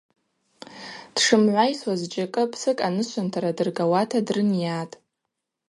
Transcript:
Дшымгӏвайсуаз зджьакӏы псыкӏ анышвынтара дыргауата дрынйатӏ.